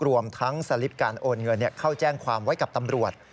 รวมทั้งสลิปการโอนเงินเข้าแจ้งความไว้กับตำรวจ